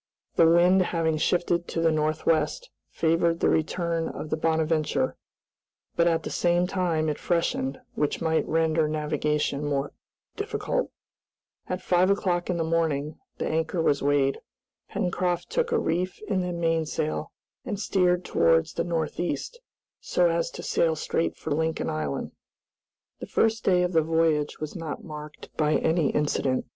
The wind having shifted to the northwest favored the return of the "Bonadventure," but at the same time it freshened, which might render navigation more difficult. At five o'clock in the morning the anchor was weighed. Pencroft took a reef in the mainsail, and steered towards the north east, so as to sail straight for Lincoln Island. The first day of the voyage was not marked by any incident.